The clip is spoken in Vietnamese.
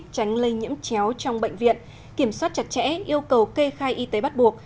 tránh lây nhiễm chéo trong bệnh viện kiểm soát chặt chẽ yêu cầu kê khai y tế bắt buộc